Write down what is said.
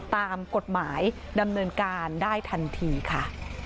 ตามกฎหมายดำเนินการได้ทันทีค่ะ